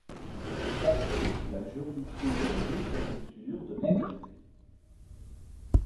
Il est placé sous la juridiction de la ville-préfecture de Hengyang.